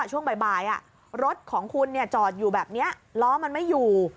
ช่วงบ่ายรถของคุณจอดอยู่แบบนี้ล้อมันไม่อยู่